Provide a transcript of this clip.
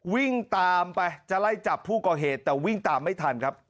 วิ่งตามไปจะไล่จับผู้ก่อเหตุแต่วิ่งตามไม่ทันครับ